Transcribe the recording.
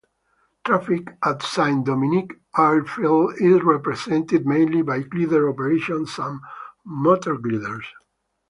Traffic at Saint-Dominique airfield is represented mainly by glider operations and motorgliders.